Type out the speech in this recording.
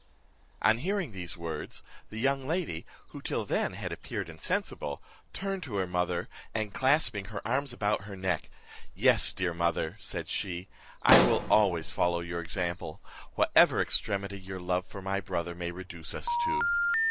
On hearing these words, the young lady, who till then had appeared insensible, turned to her mother, and clasping her arms about her neck, "Yes, dear mother," said she, "I will always follow your example, whatever extremity your love for my brother may reduce us to."